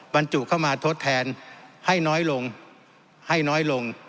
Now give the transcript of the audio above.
บรรจุเข้ามาทดแทนให้น้อยลงให้น้อยลง